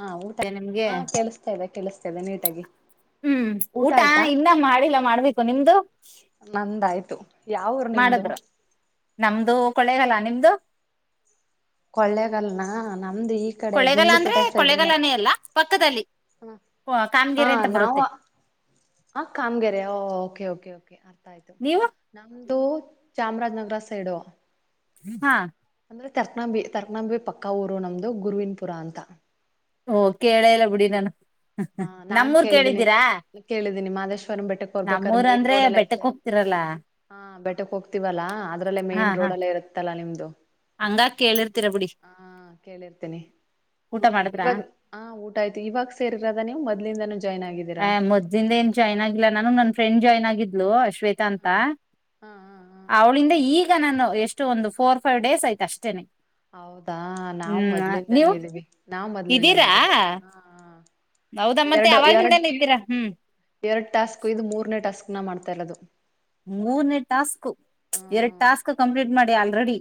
ಹಾ ಊಟ ಇದೆ ನಿಮ್ಗೆ ಹಾ ಕೆಲ್ ಸ್ತಾ ಇದೆ ಕೆಲಿಸ್ತಾ ಇದೆ ನೀಟಾಗಿ ಹ್ಮ್ ಊಟ ಇನ್ನ ಮಾಡಿಲ್ಲ ಮಾಡ್ಬೇಕು ನಿಮ್ದು ನಮ್ಮದಾಯ್ತು ಯಾವ ಊರು ನಿಮ್ದು ಮಾಡದ್ರು ನಮ್ದು ಕೊಳ್ಳೇಗಲ್ಲಾ ನಿಮ್ದು ಕೊಳ್ಳೆಗಲ್ನಾ ನಮ್ದು ಈ ಕಡೆ ಕೊಳ್ಳೇಗಾಲ ಅಂದ್ರೆ ಗುಂಡ್ಲುಪೇಟೆ ಸೈಡು ನಾ ಕೊಳ್ಳೇಗಾಲನೇ ಅಲ್ಲ ಪಕ್ಕದಲ್ಲಿ ಕಾಮಗೆರೆ ಅಂತ ಬರುತ್ತೆ ಹ ಕಾಮಗೆರೆ ಓಕೆ ಕೆ ಓಕೆ ಅರ್ಥ ಆಯ್ತು ನೀವು ನಮ್ದು ಚಾಮರಾಜನಗರ ಸೈಡು ಹಾ ಅಂದ್ರೆ ತರ್ಕನಾಂಬಿ ತರ್ಕನಾಂಬಿ ಪಕ್ಕ ಊರು ನಮ್ದು ಗುರುವನ್ಪುರ ಅಂತ ಓ ಕೇಳೇಲ್ಲ ಬಿಡಿ ನಾನು ಹಾ ನಾನ್ ನಮ್ಮೂರ್ ಕೇಳಿದ್ದೀನಿ ಕೇಳಿದ್ದೀರಾ ಕೇಳಿದ್ದೀನಿ ಮಾದೇಶ್ವರ ಬೆಟ್ಟಕ ಬರಬೇಕಾರೆ ನಮ್ಮೂರ್ ಮೇನ್ ಅಂದ್ರೆ ರೋಡ್ ಲ್ಲೇ ಐತೆ ಬೆಟ್ಟಕ್ ಹೋಗ್ತಿರಲ್ಲ ಹಾ ಬೆಟ್ಟಕ್ಕೆ ಹೋಗ್ತೀವಲ್ಲಾ ಅದ್ರಲ್ಲೇ ಮೇನ್ ರೋಡ್ ಲ್ಲೇ ಇರುತ್ತಲ್ಲಾ ನಿಮ್ದು ಹಂಗಾರೇ ಕೇಳಿರ್ತೀರಾ ಬಿಡಿ ಹಾ ಊಟ ಮಾಡಿದ್ರಾ ಹಾ ಊಟ ಆಯ್ತು ಇವಾಗ ಸೇರದ ನೀವು ಮೊದಲಿಂದನೂ ಜಾಯ್ನ್ ಆಗಿ ಆ್ ಮೊದಲಿಂದ ಏನ್ ಜಾಯ್ನ್ ಆಗಿಲ್ಲ ನಾನು ನನ್ ಫ್ರೆಂಡ್ ಜಾಯ್ನ್ ಆಗಿದ್ಲು ಶ್ವೇತಾ ಅಂತ ಹ ಹ ಹ ಅವ್ಳಿಂದ ಈಗ ನಾನು ಎಷ್ಟು ಒಂದು ಫೋರ್ ಫೈವ್ ಡೇಸ್ ಆಯ್ತು ಅಷ್ಟೇನೆ ಹೌದಾ ನಾವು ಹ್ಮ್ ಮೊದ್ಲಿಂದನೂ ನೀವು ಇದ್ದೀವಿ ನಾವ್ ಮೊದ್ಲಿಂದನೂ ಇದೀರಾ ಇದ್ದೀವಿ ಹೌದಾ ಮತ್ತೆ ಅವಾಗಿದಾನೆ ಇದ್ದೀರಾ ಹ್ಮ್ ಎರಡ್ ಟಾಸ್ಕ್ ಇದು ಮೂರನೇ ಟಾಸ್ಕ್ ನ ಮಾಡ್ತಾ ಇರೋದು ಮೂರ್ನೇ ಟಾಸ್ಕ್ ಎರಡ್ ಹ್ಮ್ ಟಾಸ್ಕ್ ಕಂಪ್ಲೀಟ್ ಮಾಡಿ ಆಲ್ರೆಡಿ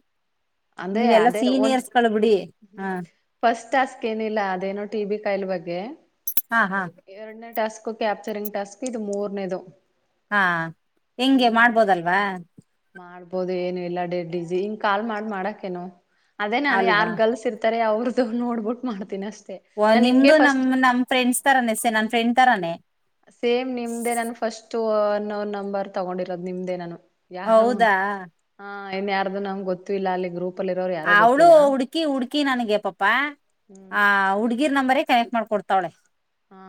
ಅಂದೇ ನೀವೆಲ್ಲಾ ಅದೇ ಒಂದು ಸೀನಿಯರ್ಸ್ಗಳು ಬಿಡಿ ಹ್ಮ ಹ ಫಸ್ಟ್ ಟಾಸ್ಕ್ ಏನಿಲ್ಲ ಅದೇನೋ ಟಿ ಬಿ ಕಾಯಿಲ್ ಬಗ್ಗೆ ಹಾ ಹಾ ಎರಡನೇ ಟಾಸ್ಕ್ ಕ್ಯಾಪ್ಚರಿಂಗ್ ಟಾಸ್ಕ್ ಇದು ಮೂರನೇದು ಹಾ ಹೆಂಗೆ ಹ್ಮ್ ಮಾಡ್ಬೋದಲ್ವಾ ಮಾಡ್ಬೋದು ಏನು ಇಲ್ಲ ಡೇ ಡಜಿ ಹಿಂಗ ಕಾಲ್ ಮಾಡ್ ಮಾಡಕೇನು ಅದೇ ನನ್ ಅಲ್ವಾ ಯಾರ್ ಗಲ್ಸ್ ಇರ್ತ ತಾರೆ ಅವ್ರದುು ನೋಡ್ಬಿಟ್ಟು ಮಾಡ್ತೀನಿ ಅಷ್ಟೇ ಓಂ ನಾನ್ ನಿಮ್ಗೆ ನಿಮ್ದು ನಮ್ ಫಸ್ಟ್ ನಮ ಫ್ರೆಂಡ್ಸ್ ತರಾನೆ ಸೆ ನನ್ ಫ್ರೆಂಡ್ ತರಾನೇ ಸೇಮ್ ನಿಮ್ದೇ ನಾನು ಫಸ್ಟ್ ಅನ್ ನೊನ್ ನಂಬರ್ ತಗೊಂಡಿರೋದು ನಿಮ್ದೇ ನಾನು ಯಾರು ಹೌದಾ ಹ ಇನ್ಯಾರ್ದು ನಮಗೆ ಗೊತ್ತು ಇಲ್ಲ ಅಲ್ಲಿ ಗ್ರೂಪ್ ಅಲ್ಲಿ ಇರೋರು ಯಾರೋ ಅವಳು ಗೊತ್ತಿಲ್ಲ ಹುಡ್ಕಿ ಹುಡ್ಕಿ ನನಗೆ ಪಾಪಾ ಹ್ಮ್ ಆ ಹುಡ್ಗಿರ್ ನಂಬರೇ ಕನೆಕ್ಟ್ ಮಾಡ್ಕೊ ಕೊಡ್ತಾವಳೆ ಹ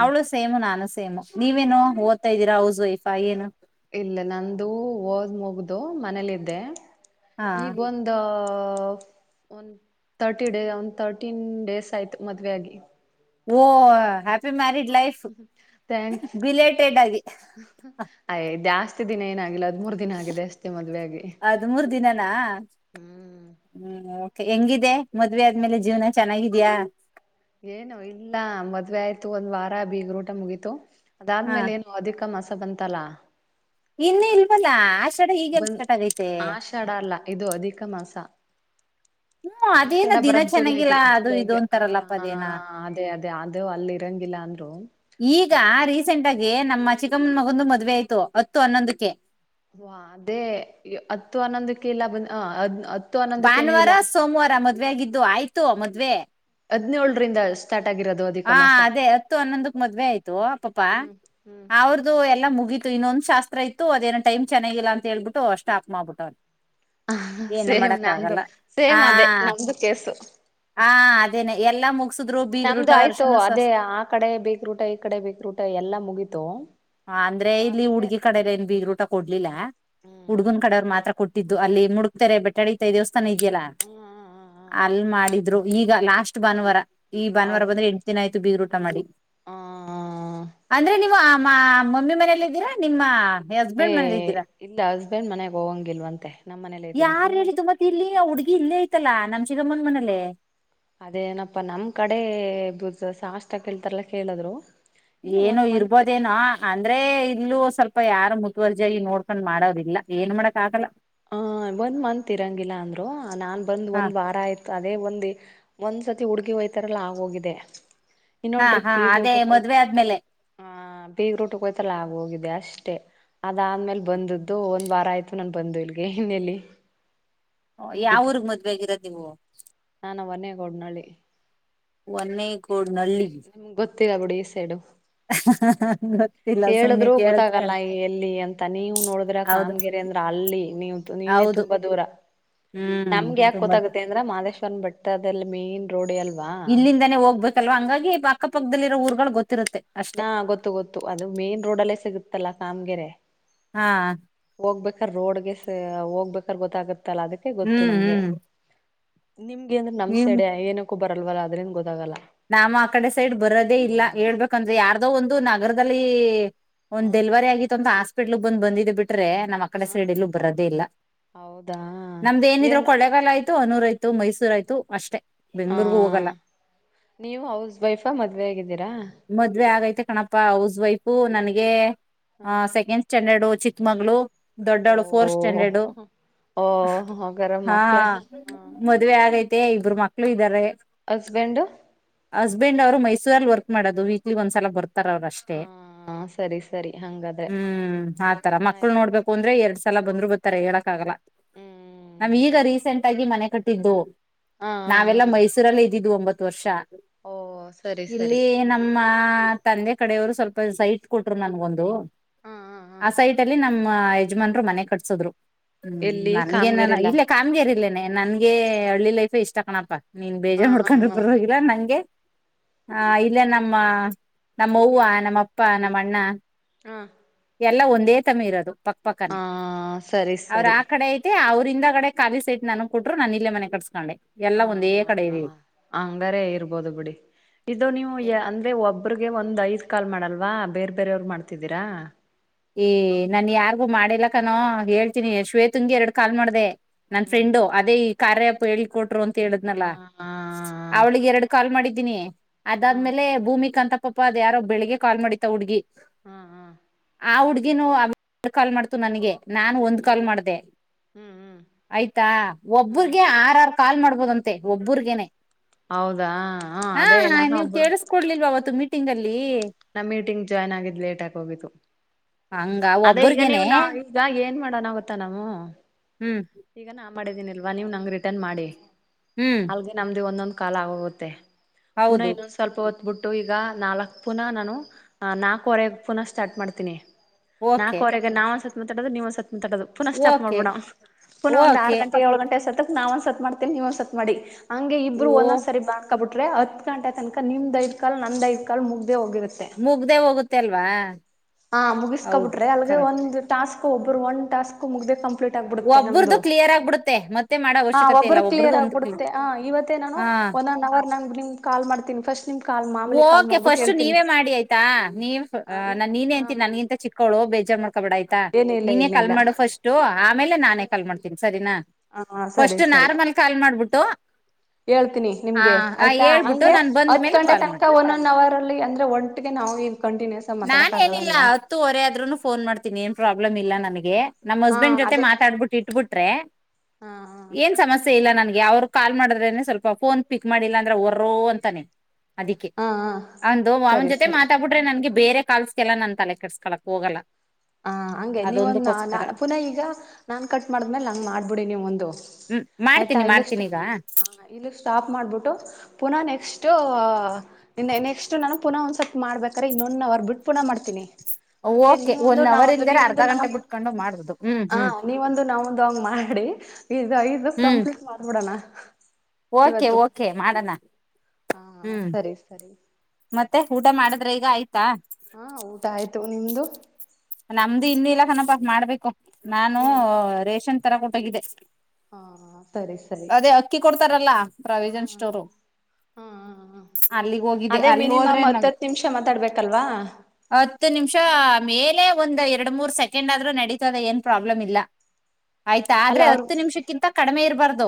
ಅವಳು ಸೇಮು ನಾನು ಸೇಮು ನೀವೇನು ಓದತಾ ಇದ್ದೀರಾ ಹೌಸ್ ವೈಫಾ ಏನು ಇಲ್ಲ ನಂದು ಓದ್ ಮುಗ್ದು ಮನೇಲ್ಲಿದ್ದೆ ಹ ಒಂದ್ ತರ್ಟೀನ್ ಡೇಸ್ ಆಯ್ತು ಮದ್ವೆ ಆಗಿ ಓ ಹ್ಯಾಪಿ ಮ್ಯಾರಿೀಡ್ ಲೈಫ್ ಬಿಲೇಟೆಡ್ ಆಗಿ ಅಯ ಜಾಸ್ತಿ ದಿನ ಏನಾಗಿಲ್ಲ ಎರ್ಡ್ ಮೂರ್ ದಿನ ಆಗಿದೆ ಅಷ್ಟೇ ಮದುವೆ ಆಗಿ ಹದಿಮೂರ್ ದಿನನಾ ಹ್ಮ್ ಹ್ಮ್ ಓಕೆ ಹೆಂಗಿದೆ ಮದುವೆ ಆದ್ಮೇಲೆ ಜೀವನ ಚೆನ್ನಾಗಿದ್ಯಾಾ ಏನು ಇಲ್ಲ ಮದ್ವೆ ಆಯ್ತು ಒಂದ್ ವಾರ ಬಿಗ್ರು ಊಟ ಮುಗೀತು ಹಾ ಅದಾದ್ಮೇಲೆ ಏನು ಅಧಿಕ ಮಸ ಬಂತಲ್ಲಾ ಇನ್ನ ಇಲ್ವಲ್ಲಾ ಆಷಡ ಇಗೆಲ್ ಸ್ಟಾರ್ಟ್ ಆಗೈತೆ ಆಷಾಡಾ ಅಲ್ಲ ಇದು ಅಧಿಕ ಮಾಸ ಹ್ಮ್ ಅದೇನ ಆಷಡ ದಿನ ಬರದ್ ಜುಲೈಗೆ ಚೆನ್ನಾಗಿಲ್ಲ ಅದು ಇದು ಜುಲೈಗೆ ಆ ಅಂತಾರಲ್ಲಪ್ಪ ಅದೇನ ಅದೇ ಅದೇ ಅದು ಅಲ್ಲಿ ಇರಂಗಿಲ್ಲ ಅಂದ ಹಲೋ ಈಗ ರೀಸೆಂಟ್ ಆಗಿ ನಮ್ಮ ಚಿಕ್ಕಮ್ಮನ ಮಗಂದು ಮದುವೆ ಆಯ್ತು ಹತ್ತು ಹನ್ನೊಂದಕ್ಕೆ ಹ ಅದೇ ಹತ್ತು ಹನ್ನೊಂದಕ್ಕೆ ಇಲ್ಲ ಬಂದ ಅದ್ ಭಾನುವಾರ ಸೋಮವಾರ ಮದ್ವೆ ಆಗಿದ್ದು ಆಯ್ತು ಮದ್ವೆ ಹಾದ್ನೇಲ್ರಿಂದ ಸ್ಟಾರ್ಟ್ ಆಗಿರೋದು ಅಧಿಕ ಹಾ ಮಾಸ ಅದೇ ಹತ್ತು ಹನ್ನೊಂದಕ್ ಮದ್ವೆ ಆಯ್ತು ಅ ಪಪ ಹ್ಮ್ ಹ್ಮ್ ಅವರು ಅವರ್ದು ಎಲ್ಲ ಮುಗಿತು ಇನ್ನೊಂದ ಶಾಸ್ತ್ರ ಇತ್ತು ಅದೇನ ಟೈಮ್ ಚೆನ್ನಾಗಿಲ್ಲ ಅಂತ ಹೇಳ್ಬಿಟ್ಟು ಸ್ಟಾಪ್ ಮಾಡ್ಬಿಟ್ಟವ್ರೆ ಹ ಏನು ಸೇಮ್ ಮಾಡಕ್ ನಮ್ದು ಆಗಲ್ಲ ಆ ಸೇಮ್ ಅದೇ ನಮ್ದು ಕೇಸು ಹಾ ಅದೇನೆ ಎಲ್ಲಾ ಮುಗಸುದ್ರು ಬೀಗ್ರುಟ ನಮ್ದು ಆಯ್ತು ಅದೇ ಆ ಕಡೆ ಬೇಗರೂಟ ಈ ಕಡೆ ಬೀಗ ರೂಟ ಎಲ್ಲಾ ಮುಗೀತು ಹ ಅಂದ್ರೆ ಇಲ್ಲಿ ಹುಡ್ಗಿ ಕಡೆ ಅವ್ರ್ ಏನ್ ಬೀಗ್ರ್ ಊಟ ಕೊಡ್ಲಿಲ್ಲ ಹುಡ್ಗನ್ ಹ್ಮ್ ಕಡೆವರ್ ಮಾತ್ರ ಕೊಟ್ರು ಕೊಟ್ಟಿದ್ದು ಅಲ್ಲಿ ಮುಡುಕ್ತಾರೆ ಬೆಟ್ಟಾಡಿ ತಾಯಿದು ದೇವಸ್ಥಾನ ಇದೆಯಲ್ಲ ಅಲ್ಲಿ ಮಾಡಿದ್ರು ಈಗ ಲಾಸ್ಟ್ ಭಾನುವಾರ ಈ ಭಾನುವಾರ ಹೌದು ಬಂದ್ರೆ ಎಂಟ ದಿನ ಆಯ್ತು ಬೀಗರೂಟ ಮಾಡಿ ಹ ಅಂದ್ರೆ ನೀವು ಆಮ್ಮ ಮಮ್ಮಿ ಮನೇಲ್ಲ ಇದ್ದೀರಾ ನಿಮ್ಮ ಹಸ್ಬೆಂಡ್ ಮನೇಲಿ ಏ್ ಇದ್ದೀರಾ ಇಲ್ಲ ಹಸ್ಬೆಂಡ್ ಮನೆಗ್ ಹೋಗಂಗಿಲ್ವಂತೆ ನಮ್ಮ ಮನೇಯಲ್ಲೆ ಇದ್ದೀನಿ ಯಾರ್ ಇನ್ನು ಹೇಳಿದ್ದು ಮತ್ತೆ ಇಲ್ಲಿ ಆ ಹುಡ್ಗಿ ಇಲ್ಲೇ ಐತಲ್ಲ ನಮ್ ಚಿಕ್ಕಮ್ಮನ ಮನಲೆೇ ಅದೇನಪ್ಪಾ ನಮ್ ಕಡೆ ಬ ಸಾಷ್ಟ ಕೇಳ್ತಾರಲ್ಲ ಕೇಳಿದ್ರು ಇನ್ನು ಏನು ಒನ್ ಮಂತ್ ಇರ್ಬೋದೇನ ಅಂದ್ರೆ ಇಲ್ಲೂ ಸ್ವಲ್ಪ ಯಾರ ಮುತುವರ್ಜಾಗಿ ನೋಡ್ಕೊಂಡ್ ಮಾಡರ್ಲ್ಲ ಏನ್ ಮಾಡಕ್ ಆಗಲ್ಲ ಹ ಒಂದ್ ಮಂತ್ ಇರಂಗಿಲ್ಲ ಅಂದ್ರು ನಾನ್ ಬಂದ್ ಹಾ ಒಂದ್ ವಾರ ಆಯ್ತು ಅದೇ ಒಂದ ಒಂದ್ಸತಿ ಹುಡುಗಿ ಹಯ್ತಾರಲ್ಲ ಆಗೋಗಿದೆ ಹಾ ಇನ್ನೊಂದ್ ಟ್ರಿಪ್ ಹಾ ಅದೇ ಬೀಗರುಟುಕ್ ಹೋಯ್ತ್ ಮದ್ವೆ ಆದ್ಮೇಲೆ ಬೀಗ್ ರೂಟಕ್ಕೆೋಯ್ತರಲ್ಲ ಆಗೋಗಿದೆ ಅಷ್ಟೇ ಅದಾದ್ಮೇಲ್ ಬಂದದ್ದು ಒಂದ್ ವಾರ ಆಯ್ತು ನನ್ ಬಂದು ಇಲ್ಗೆ ಇನ್ನೆಲ್ಲಿ ಯಾವಊರುಗ್ ಮದ್ವೆ ಆಗಿರೋದು ನೀವು ನಾನ ಒನ್ನೇಗೌಡ್ನಲ್ಲಿ ಒನ್ನೇಗೋಡ್ನಳ್ಳ ನಿಮ್ಗ್ ಗೊತ್ತಿಲ್ಲ ಬಿಡಿ ಈ ಸೈಡು ಹ ಹೇಳಿದ್ರು ಗೊತ್ತಾಗಲ್ಲ ಎಲ್ಲಿ ಅಂತ ನೀವ್ ನೋಡಿದ್ರ ಹೌದು ಕಾಮಗಿರಿ ಅಂದ್ರ ಅಲ್ಲಿ ನೀವ ನೀವೆ ಹೌದು ತುಂಬಾ ದೂರ ಹ್ಮ್ ನಮ್ಗೆ ಯಾಕೆ ತುಂಬಾ ದ- ಗೊತ್ತಾಗುತ್ತೆ ಅಂದ್ರ ಮಹದೇಶ್ವರ ಬೇಟ್ಟದಲ್ಲಿ ಮೇನ್ ರೋಡ್ ಹೆ ಅಲ್ವಾ ಲ್ವಾ ಹಂಗಾಗಿ ಅಕ್ಕ ಪಕ್ಕದಲ್ಲಿರೋಊರ್ಗಳು ಗೊತ್ತಿರುತ್ತೆ ಅಷ್ಟೇ ಹಾ ಗೊತ್ತು ಗೊತ್ತು ಅದು ಮೈನ್ ರೋಡ್ ಅಲ್ಲೇ ಸಿಗುತ್ತಲ್ಲಾ ಕಾಮ್ಗೆರೆ ಹಾ ಹೋಗ್ಬೇಕ್ರ ರೋಡ್ಗೆ ಹೋಗ್ಬೇಕ್ರ ಗೊತ್ತಾಗತ್ತಲ್ಲ ಅದಕ್ಕೆ ಗೊತ್ತು ಹ್ಮ್ ನಮ್ಗೆ ಹ್ಮ್ ನಿಮ್ಗೆ ಅಂದ್ರ ನಮ್ ನೀವ್ ಸೈಡೆ ಏನಕ್ಕೂ ಬರಲ್ವಲ್ಲ ಅದ್ರಿಂದ ಗೊತ್ತಾಗಲ್ಲ ನಾಮ ಆ ಕಡೆ ಸೈಡ್ ಬರೋದೇ ಇಲ್ಲ ಹೇಳ್ಬೇಕಂದ್ರೆ ಹ್ಮ್ ಯಾರ್ದೋ ಒಂದು ನಗರದಲ್ಲಿ ಒಂದ್ ಹ್ಮ್ ಡೆಲವರಿ ಆಗಿತ್ತು ಅಂತ ಹಾಸ್ಪಿಟ್ಲ್ ಬಂದ ಬಂದಿದ ಬಿಟ್ರೆ ನಮ್ಮ ಕಡೆ ಹ ಸೈಡಿಲ್ಲ ಬರೋದೇ ಇಲ್ಲ ಹೌದಾ ನಮ್ದ ಏನಿದ್ರರು ಏನ್ ಕೊಳೆಗಾಲ ಆ ಅನೂರ್ ಆಯ್ತ ಮಸೂ ಆಯ್ತು ಅಷ್ಟೇ ಆ ಬೆಂಗ್ಳೂರ್ಗೂ ಹೋಗಲ್ಲ ನೀವು ಹೌಸ್ ವೈಫ ಮದ್ವೆ ಆಗಿದ್ದೀರಾ ಮದ್ವೆ ಆಗೈತೆ ಕಣಪಾ ಹೌಸ್ ವೈಫು ನನ್ಗೆ ಹ ಆ ಸೆಕೆಂಡ್ ಸ್ಟ್ಯಾಂಡರ್ಡ್ ಚಿಕ್ಕಮಗಳುರು ಓ ದೊಡ್ಡವಳು ಫೋರ್ತ್ ಸ್ಟ್ಯಾಂಡರ್ಡು ಓ ಹಾಗಾರ ಹಾ ಮಕ್ಳ ಮದ್ವೆ ಆಗೈತಿ ಇಬರು ಮಕ್ಳು ಇದ್ದಾರೆ ಹಸ್ಬಂಡ್ ಹಸ್ಬೆಂಡ್ ಅವ್ರು ಮೈಸೂರಲ್ಲಿ ವರ್ಕ್ ಮಾಡೋದು ವೀಕ್ಲಿ ಒಂದ್ ಸಲ ಬರ್ತಾರ ಅವ್ರ ಅಷ್ಟೇ ಹ ಸರಿ ಸರಿ ಹಂಗಾದ್ರೆ ಹ್ಮ್ ಆತರ ಮಕ್ಕಳು ಆಯ್ತು ನೋಡ್ಬೇಕು ಅದ್ರೆ ಎರಡ್ ಸಲ ಬಂದ್ರು ಬತಾರೆ ಹೇಳಕ್ ಆಗಲ್ಲಾ ನಮ್ ಈಗ ಹ್ಮ್ ರೀಸೆಂಟ್ ಆಗಿ ಮನೆ ಕಟ್ಟ ಹಾ ಹಾ ಹಾ ನಾವೆಲ್ಲಾ ಮೈಸೂರಲ್ಲೇ ಇದ್ದಿದ್ದು ಒಂಬತ್ತು ವರ್ಷ ಓ ಸರಿ ಸರಿ ಇಲ್ಲಿ ನಮ್ಮ ತಂದೆ ಕಡೆಯವರು ಸ್ವಲ್ಪ ಸೈಟ್ ಕೊಟ್ರು ನನ್ಗೊಂದು ಹಾ ಹಾ ಹಾ ಆ ಸೈಟ ಅಲ್ಲಿ ನಮ್ಮ ಯಜಮಾನ್ರು ಮನೆ ಕಟ್ಸದ್ರು ಹ್ಮ್ ಎಲ್ಲಿ ನನ್ಗೇನ ಕಾಮಗೆರೆಲ್ಲ ಇಲ್ಲ ಕಾಮಗೇರಿಲೇನೆ ನನ್ಗೆ ಹಳ್ಳಿ ಲೈಫ್ ಇಷ್ಟ ಕಣಪ್ಪಾ ನೀನ್ ಹಾ ಬೇಜಾರ್ ಹಾ ಹಾ ಮಾಡ್ಕೊಂಡ್ಗಲ್ಲ ನಂಗೆ ಹ ಇಲ್ಲ ನಮ್ಮ ನಮ್ಮೂವ ನಮ್ಮ ಅಪ್ಪ ನಮ್ಮ ಅಣ್ಣ ಹಾ ಎಲ್ಲ ಒಂದೇ ತಮ್ಮಿ ಇರೋದು ಪಕ್ಕಪಕ್ಕನೆೇ ಹಾ ಸರಿ ಅವ್ರ ಸರಿ ಆ ಕಡೆ ಮತ್ತೆ ಅವ್ರಂದ ಕಡೆ ಕವಿಿ ಸೈಟ್ ನನಗ್ ಕೊಟ್ಟರು ನನ್ ಇಲ್ಲೇ ಮನೆ ಕಟ್ಸ್ಕೊಂಡೆ ಎಲ್ಲಾ ಒಂದೇ ಕಡೆ ಇ ಹಂಗಾರೇ ಇರ್ಬೋದು ಬಿಡಿ ಇದು ನೀವು ಯ ಅಂದ್ರೆ ಒಬ್ ಒಬ್ಬ್ರಿಗೆ ಒಂದು ಐದು ಕಾಲ್ ಮಾಡಲ್ವಾ ಬೇರೆ ಬೇರೆಯವಿಗೆ ಮಾಡ್ತಿದ್ದೀರಾ ಏ ನನ್ ಯಾರ್ಗು ಮಾಡಿಲ್ಲಕಾನೋ ಹೇಳ್ತೀನಿ ಶ್ವೇ ತುಂಗಿ ಎರಡು ಕಾಲ್ ಮಾಡ್ದೆ ನನ್ ಹ್ಮ್ ಫ್ರೆಂಡು ಅದೇ ಈ ಕಾರ್ಯಪ ಹೇಳಳ್ ಕೊಟ್ರು ಅಂತ ಹಾ ಹೇಳಿದ್ನಲ್ಲ ಹಾ ಅವಳಿಗೆ ಎರಡು ಕಾಲ್ ಮಾಡಿದ್ದೀನಿ ಹಾ ಅದಾದ್ಮೇಲೆ ಭೂಮಿ ಕ ಅಂತ ಪಾ ಅದ ಯಾರೋ ಬೆಳ್ಳಿಗ್ಗೆ ಕಾಲ್ ಮಾಡತಾ ಹುಡಿಗಿ ಹಾ ಹಾ ಆ ಹುಡ್ಗಿನು ಕಾಲ್ ಮಾಡ್ತು ನನ್ಗೆ ನಾನು ಒಂದ್ ಹ್ಮ್ ಕಾಲ್ ಮಾಡ್ದ ಹ್ಮ್ ಹ್ಮ್ ಆಯ್ತಾ ಹ್ಮ್ ಒಬ್ಬ್ರಿಗೆ ಆರ ಆರ್ ಕಾಲ್ ಮಾಡ್ಬೋದಂತೆ ಒಬ್ಬರ್ಗೇನೆ ಹೌದಾ ಹ ಅದೇ ನ ಹಬ್ಬಳ ಕೊಡ್ಲಿಲ್ವ ಅವತ್ತು ಮೀಟಿಂಗ್ ಅಲ್ಲಿ ನಮ್ಮ ಮೀಟಿಂಗ್ ಜಾಯನ್ ಆಗಿದ್ದ್ ಲೇಟ್ ಆಗಿ ಹೋಗಿದ್ದು ಹಂಗ ಅದೇ ಈಗ ಒಬ್ಬ್ರಗೇನೆ ನೀವು ನ ಈಗ ಏನ್ ಮಾಡೋಣ ಗೊತ್ತ ನವು ಹ್ಮ್ ಈಗ ನಾ ಮಾಡಿದ್ದೀನಿಲ್ವಾ ನೀವು ನಂಗೆ ರಿಟರ್ನ್ ಮಾಡಿ ಹ್ಮ್ ನಮ್ದು ಒಂದೊಂದ್ ಕಾಲ ಆಗೋಗುತ್ತೆ ಪುನ ಹೌದು ಇನ್ನೊಂದ್ ಸ್ವಲ್ಪ ಹೊದ್ಬಿಟ್ಟು ಈಗ ನಾಲ್ಕ್ ಪುನಃ ನಾನು ನಾಲ್ಕವರೆಗೆ ಪುನಃ ಸ್ಟಾರ್ಟ್ ಮಾಡ್ತೀನಿ ಓಕೆ ನಾಲ್ಕವರೆಗೆ ನಾ ಒಂದಸ ಸತ್ತಡದು ನೀವು ಸತ್ತಾಡದು ಪುನಃ ಸ್ಟಾಪ್ ಓಕೆ ಮಾಡಬೋಣ ಪುನ ಒಂದು ಆರು ಓಕೆ ಗಂಟ ಏಳ ಗಂಟೆ ಸ ನಾವ ಒಂದ್ಸತ್ ಮಾಡ್ತೇವವಿ ನೀವ ಒಂದಸತ್ ಮಾಡಿ ಹಂಗೆ ಓ ಇಬ್ರು ಒಂದೊಂದ್ ಸರಿ ಬ ಬಿಟ್ರೆ ಹತ್ ಗಂಟೆ ತನಕ ನಿಮ್ ದೈದ ಕಲ್ ನಂದ ಐದು ಕಾಲ್ ಮುಗ್ದೇ ಹೋಗಿರುತ್ತೆ ಮುಗ್ದೆ ಹೋಗುತ್ತೆ ಅಲ್ವಾ. ಹಾ ಹೌದು ಮುಗಿಸ್ಕೊಬಿಟ್ರೆ ಅಲ್ಗೆ ಕರೆಕ್ಟ್ ಒಂದ್ ಟಾಸ್ಕ್ ಒಬ್ರು ಒಂದ ಟಾಸ್ಕ್ ಮುಗ್ದ. ಕಂಪ್ಲೀಟ್ ಆಗ್ಬಿಡುತ್ತೆ ನಮ್ದು ಒಬ್ಬ್ರದು ಕ್ಲಿಯರ್ ಆಗ್ಬಿಡುತ್ತೆ ಮತ್ತೆ ಮಾಡೋ ಆ ಅವಶ್ಯಕತೆ ಇಲ್ಲ ಒಬ್ರುದ್ ಕ್ಲಿಯರ್ ಒಬ್ಬ್ರದು ಒಂದು ಆಗ್ಬಿಡುತ್ತೆ ಅವತ್ತೇ ನಾನು ಹಾ ಒಂದ್. ಲವರ್ ನಂಗ್ ನಿಂಗ್ ಕಾಲ್ ಮಾಡ್ತೀನಿ ಪಸ್ಟ್ ನಿಂಗ್. ಓಕೆ ಫಸ್ಟ್ ನೀವೇ ಮಾಡಿ ಆಯ್ತಾ ನೀವ ಹ ನೀವ್ ನನ್ ನೀನೇ ಹಾ ಅಂತೀನಿ ನಂಗ್. ಚಿಕ್ಕೋಳು ಬೇಜಾರ ಮಾಡ್ಕೊಂಬೇಡ ಆಯ್ತ್ ಏನ ಇಲ್ಲ ನೀನೇ ಏನ ಕಲ್ ಇಲ್ಲ ಮಾಡು ಫಸ್ಟ್. ಆಮೇಲೆ ನಾನೇ ಕಾಲ್ ಮಾಡ್ತೀನಿ ಸರಿನಾ ಹ ಸರಿ ಫಸ್ಟ್ ಸರಿ ನಾರ್ಮಲ್ ಕಾಲ್ ಮಾಡ್ಬಿಟ್ಟು. ಹೇಳ್ತೀನಿ ಆ ನಿಮ್ಗೆ ಆ, ಆಯ್ತಾ ಹೇಳ್ಬಿಟ್ಟು ಹಗೆ ನಾನ್ ಬಂದ ಹತ್. ಮೇಲೆ ಕರೆಕ್ಟ್ ಕಾಲ್ ಮಾಡಿ ಆಗಿ ಒನ್ ಒನ್ ಅವರ ಅಲ್ಲಿ ಅಂದ್ರೆ ಒಟ್ಟಿಗೆ ನಾವು ಕಂಟಿನ್ಯೂಸ್ ಆಗಿ ಮಾತಾಡಕ್ ನಾನೇನಿಲ್ಲ ಆಗಲ್ಲಲ್ವಾ. ಹತ್ತುವರೆ ಆದ್ರೂ ಫೋನ್ ಮಾಡ್ತನಿ ಏನ್ ಪ್ರಾಬ್ಲಮ್ ಇಲ್ಲ ನನಗೆ. ನಮ್ ಹಾ ಹಸ್ಬೆಂಡ್ ಜೊತೆ ಅದೇ ಮಾತಾಡ್ಬಿಟ್ಟ ಇಟ್ರೆ ಹಾ ಹಾ ಏನ್ ಸಮಸ್ಯೆ. ಸೆ ಇಲ್ಲ ನನ್ಗೆ ಅವರ ಕಾಲ್ ಮಾಡಿದ್ರನೆ ಸ್ವಲ್ಪ ಫೋನ್ ಪಿಕ್ ಮಾಡಿಲ್ಲ ಅಂದ್ರೆ ಉರ್ರ ಅಂತಾನೆ ಅದಿಕ್ಕೆ ಹಾ ಹಾ ಅಂದು ಅವನ ಸರಿ ಜೊತೆ ಸರಿ ಮಾತಾಡ್ಬಿಟ್ಟ ಮತ್ತೆ ನಂಗೆ ಬೇರೆ ಕಾಲ್ಸ್ಗಳೆಲ್ಲ ನಾನ್ ತಲೆ ಕೆಡಸ್ಕೊಳ್ಳೋಕ ಹೋಗಲ್ಲ ಹ ಹಂಗ ನೀ ಒಂದ ಅದೊಂದಕ್ಕೋಸ್ಕರ ನಾಕ್ ದಿನಾ ಈಗ ಫೋನ್ ಕಟ್ ಮಾಡಿದಮೇಲ ಹಂಗ್ ಮಾಡ್ಬಿಡು ನೀವೊಂದು ಇ ಮಾಡ್ತೀನಿ ಮಾಡ್ತೀನಿ ಈಗ ಇಲ್ಲಿ ಸ್ಟಾಪ್ ಮಾಡಬಿಟ್ಟು ಪುನಃ ನೆಕ್ಸ್ಟು ಇನ್ನ ನೆಕ್ಸ್ಟು ನಾನು ಪುನಃ ಒಂದಸತಿ ಮಾಡ್ಬೇಕಾದ್ರೆ ಇನ್ನೊಂದ್ ಹವರ್ ಬಿಟ್ಟಣ ಮಾಡತೀನಿ ಓಕೆ ಒನ್ ಅವರ್ ಇಂದರ ಅರ್ಧ ಗಂಟೆ ಬಿಟ್ಕೊಂಡು ಮಾಡಬದು ಹ್ಮ್ ಅ ಹ್ಮ್ ನೀವೊಂದು ನಾವೊಂದು ಅಂಗ ಮಾಡಿ ಈಗ ಐದ್ ದಿವಸ ಹ್ಮ್ ಕಂಪ್ಲೀಟ್ ಮಾಡ್ಬಿಡಣ ಓಕೆ ಓಕೆ ಮಾಡಣ ಹ್ಮ್ ಸರ ಸರಿ ಮತ್ತೆ ಊಟ ಮಾಡಿದ್ರಾ ಈಗ ಆಯ್ತಾ ಹು ಊಟಾ ಆಯ್ತು ನಿಮ್ದು ನಮ್ದು ಇನ್ನು ಇಲ್ಲ ಕನಪ ಮಾಡ್ಬೇಕು ನಾನು ಹ್ಮ್ ರೇಷನ್ ತರಕತ ಹೊಗಿದ್ದೆ ಹಾ ಸರಿ ಸರಿ. ಅದು ಅಕ್ಕಿ ಕೊಡ್ತಾರಲ್ಲಾ ಪ್ರಾವಿಜನ್ ಸ್ಟೋರ್ ಹ್ಮ್ ಹ್ಮ ಹ್ಮ ಹೋಗಿದೆ ಅದೇ ಅಲ್ಲಿ ಮಿನಿಮಮ್ ಹೋದ್ರೆ ನಂಗ್ ಹತ್ತತ್ತ ನಿಮಿಷ ಮಾತಾಡ್ಬೇಕಲ್ವಾ ಹತ್ತು ನಿಮಿಷ ಮೇಲೆ ಒಂದ ಎರಡ ಮೂರ್ ಸೆಕೆಂಡ್ ಆದ್ರೂ ನಡೀತದೆ ಏನ್ ಪ್ರಾಬ್ಲಮ ಇಲ್ಲ ಆಯ್ತ ಅಲ್ಲ ಆದ್ರೆ ಅವ್ರ ಹತ್ತ ನಿಮಿಷಕ್ಕಿಂತ ಕಿಂತ ಕಡಿಮೆ ಇರಬಾರ್ದು.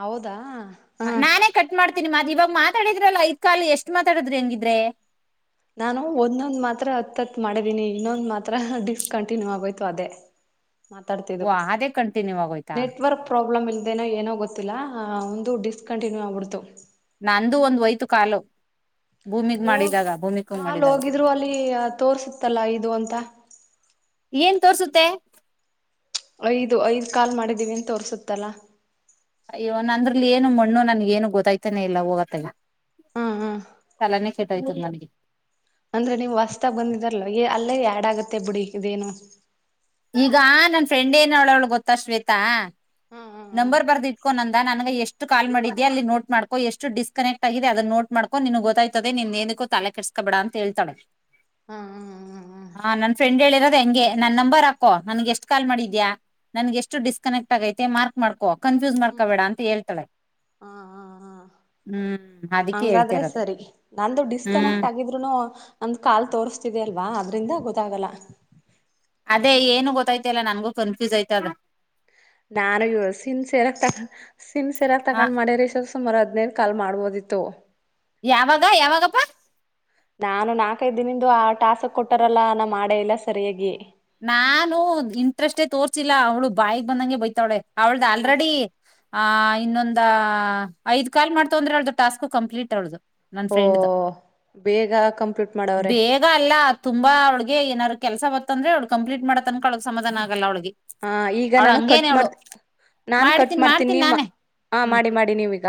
ಹೌದಾ ಹ್ಮ. ನಾನೇ ಕಟ್ ಮಾಡತಿನಿ ಮತ್ ಇವಾಗ ಮಾತಾಡಿದ್ರಲ್ಲ ಐದ್ ಕಾಲ್ ಎಷ್ಟ್ ಮಾತಾಡಿದ್ರಿ ಹಂಗಿದ್ರೆ ನಾನು ಒಂದೊಂದ ಮಾತ್ರ ಹತ್ತತ್ ಮಾಡಿದೀನಿ ಇನ್ನೊಂದು ಮಾತ್ರ ಡಿಸ್ಕಂಟಿನ್ಯೂ ಆಗೋಯ್ತು ಅದೇ ಮಾತಾಡ್ತಿದೆ ವಾ ಅದೇ ಕಂಟಿನ್ಯೂ ಆಗೋಯ್ತಾ ನೆಟ್ವರ್ಕ್ ಪ್ರಾಬ್ಲಮ್ ಇಲ್ದೇನೋ ಏನೋ ಗೊತ್ತಿಲ್ಲ ಒಂದು ಡಿಸ್ಕಂಟಿನ್ಯೂ ಆಗ್ಬಿಡ್ತು ನಂದು ಒಂದ್ ಒಯ್ತು ಕಾಲು ಭೂಮಿಗ್ ಹೋಗ್ ಮಾಡಿದಾಗ ಭೂಮಿಕಂಗ್ ಕಾಲ್ ಮಾಡಿದಾಗ ಹೋಗಿದ್ರು ಅಲ್ಲಿ ತೋರ್ಸತ್ತಲ್ಲ ಇದು ಅಂತ ಏನ್ ತೋರ್ಸುತ್ತೆ. ಐದು ಐದ ಕಾಲ್ ಮಾಡಿದ್ದೀವಿ ಅಂತ ತೋರಸುತ್ತಲ್ಲ ಅಯ್ಯೋ ನಂದ್ರಲ್ಲಿ ಏನು ಮಣ್ಣು ನನಗೇನು ಗೊತ್ತಾಯ್ತನೆ ಇಲ್ಲ ಹೋಗತ್ತಗೆ. ಹಾ ಹಾ ಚಲನೆ ಸೆಟ್ಟಯ್ತಿಲ್ಲ ನನಗೆ ಅಂದ್ರೆ ನೀವು ಹೊಸ್ತಾಗ್ ಬಂದಿದಾರಲ್ಲ ಹೋಗಿ ಅಲ್ಲ ಹೋಗಿ ಆ್ಯಡ್ ಆಗತ್ತೆ ಬಿಡಿ ಇದೇನು ಈಗಾ ನನ್ ಫ್ರೆಂಡ್ ಏನ ಹೇಳವ್ಳ್ ಗೊತ್ತಾ ಶ್ವೇತಾ ಹಾ ಹಾ ಹಾ ನಂಬರ್ ಬರ್ದ ಇಟ್ಕೊ ನಂದ ನನ್ಗ ಎಷ್ಟ ಎಷ್ಟು ಕಾಲ್ ಮಾಡಿದ್ದಿಯ ಅಲ್ಲಿ ನೋಟ್ ಮಾಡ್ಕ ಎಷ್ಟು ಡಿಸ್ಕನೆಕ್ಟ್ ಆಗಿದೆ ಅದನ್ನ ನೋಟ್ ಮಾಡ್ಕೋ ನಿನಗೆ ಗೊತ್ತಾಯ್ತದೆ ನಿನ್ ಏನಕೂ ತಲೆ ಕೆಡ್ಸ್ಕ್ ಕೋಬೇಡ ಅಂತ ಹೇಳ್ತ ಇದೀನಿ. ಹಾ ಹ ಹಾ ನನ್ ಫ್ರೆಂಡ್ ಹೇಳಿರೋದೇ ಹಂಗೆ ನನ್ ನಂಬರ್ ಹಾಕೂ ನನ್ಗೆ ಎಷ್ಟ್ ಕಾಲ್ ಮಾಡಿದ್ಯಾ? ನನ್ಗೆ ಎಷ್ಟು ಡಿಸ್ಕನೆಕ್ಟ್ ಆಗೈತೆ ಮಾರ್ಕ್ ಮಾಡ್ಕೋ ಕನ್ಫ್ಯೂಸ್ ಹ್ಮ್ ಮಾಡ್ಕೊ ಬೇಡ ಅಂತ ಹೇಳ್ತಳೆ. ಹಾ ಹಾ ಹಾ ಹ್ಮ್ ಹಾ [unintelligible] ಹಂಗಾದ್ರೆ ಸರಿ ನಂದು ಡಿಸ್ಕನೆಕ್ಟ್ ಹ್ಮ್ ಆಗಿದ್ದ [unintelligible] ಒಂದ್ ಕಾಲ್ ತೋರ್ಸ್ತಿದ ಅಲ್ವಾ ಅದ್ರಿಂದ ಗೊತ್ತಾಗಲ್ಲ. ಅದೇ ಏನು ಗೊತ್ತಾಯ್ತಲ್ಲ ನಂಗು ಕನ್ಫ್ಯೂಸ್ ಆಯ್ತದೆ ನಾನು ಇವ್ಳು ಸೀನ್ಸಿಯಾರಾಗಿ ಆಗಿ ತಗಂಡು ಹ ಸೀನ್ಸಿಯಾರಾಗಿತಗಂಡು ಮಾಡಿದ್ರೆ ಇಸ್ಟೊತಿಗೆ ಸುಮಾರು ಹದಿನೈೇದು ಕಾಲ್ ಮಾಡ್ಬೋದಿತ್ತು. ಯಾವಾಗ ಯಾವಾಗಪ್ಪ? ನಾನು ನಾಕೈದಿನಿಂದು ಆ ಟಾಸ್ಕ್ ಕೊಟ್ಟಾರಲ್ಲ ನಾನ್ ಮಾಡೇ ಇಲ್ಲ ಸರಿಯಾಗಿ. ನಾನು ಇಂಟ್ರೆಸ್ಟೇ ತೋರ್ಸಿಲ್ಲ ಅವ್ಳು ಬಾಯಗ್ ಬಂದಂಗೆ ಬೈತವಳೆ ಅವಳ್ದ ಹಾ ಆಲ್ರೆಡಿ ಆ ಇನ್ನೊಂದ ಐದ್ ಕಾಲ್ ಮಾಡ್ತು ಅಂದ್ರೆ ಅವ್ಳದು ಟಾಸ್ಕ್ ಕಂಪ್ಲೀಟ್ ಅವ್ಳದು. ನನ್ ಓ ಫ್ರೆಂಡ್ದ ಬೇಗ ಕಂಪ್ಲೀಟ್ ಮಾಡವ್ರೆ ಬೇರೆ ಈಗ ಅಲ್ಲ ತುಂಬಾ ಅವಳ್ಗೆ ಏನಾರು ಕೆಲಸ ಬತ್ತಂದ್ರೆ ಅವಳ್ಗೆ ಕಂಪ್ಲೀಟ್ ಮಾಡೋತನಕ ಸಮಾಧಾನ ಆಗಲ್ಲ ಅವಳಿಗೆ. ಹಾ ಈಗ ಅವಳ ನಾನು ಕಟ್ ಹಂಗೇನೆ ಅವಳು ಮಾಡ್ತೀನಿ. ನಾನ್ ಕಟ್ ಮಾಡ್ತೀನಿ ನೀವ್ ಹ ಹ್ಮ್ ಮಾಡಿ ಮಾಡಿ ನೀವೀಗ